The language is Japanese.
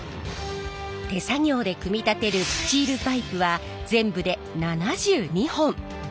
手作業で組み立てるスチールパイプは全部で７２本！